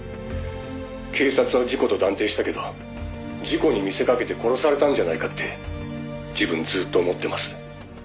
「警察は事故と断定したけど事故に見せかけて殺されたんじゃないかって自分ずっと思ってます」